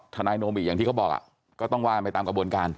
ทนายโนบิอย่างที่เขาบอกก็ต้องว่าไปตามกระบวนการ